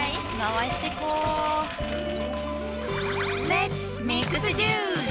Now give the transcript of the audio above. レッツミックスジュース！